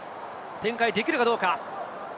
展開できるかどうか。